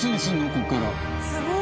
ここから。